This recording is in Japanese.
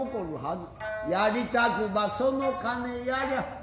やりたくばその金遣りや。